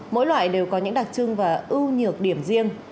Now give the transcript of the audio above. mỗi loại đều có những đặc trưng và ưu nhược điểm riêng